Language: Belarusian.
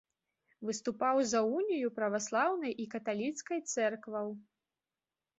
Выступаў за унію праваслаўнай і каталіцкай цэркваў.